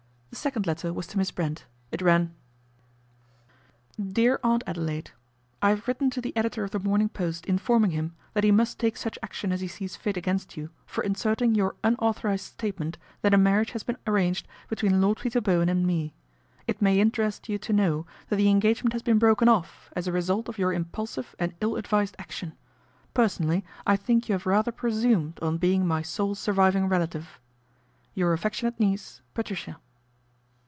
The second letter was to Miss Brent. It ran :" DEAR AUNT ADELAIDE, "I have written to the editor of The Morning Post informing him that he must take such action as he sees fit against you for inserting your unauthorised statement that a marriage has been arranged between Lord Peter Bowen and me. It may interest you to know that the engagement has been broken off as a result of your impulsive and ill advised action. Per sonally I think you have rather presumed on being my ' sole surviving relative.' "Your affectionate niece, " PATRICIA."